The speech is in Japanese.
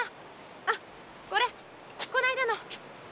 あっこれこないだの。